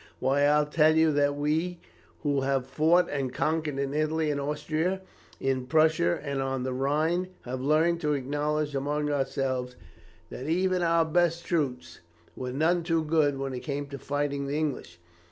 Why, I tell you that we who have fought and conquered in Italy and Austria, in Prussia and on the Rhine, have learned to acknowledge among ourselves, that even our best troops were none too good when it came to fighting the English.